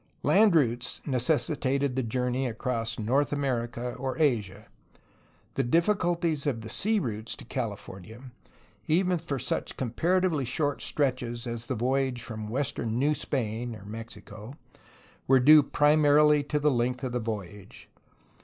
Land routes necessitated the journey across North America or Asia. The difficulties of the sea routes to California, even for such comparatively short stretches as the voyage from western New Spain (or Mexico), were due primarily to the length of the voyage.